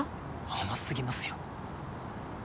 甘すぎますよ。